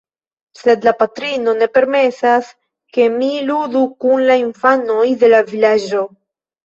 Sed la patrino ne permesas, ke mi ludu kun la infanoj de la vilaĝo.